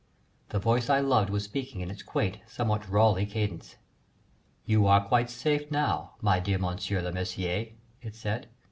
The voice I loved was speaking in its quaint, somewhat drawly cadence: "You are quite safe now, my dear Monsieur Lemercier," it said.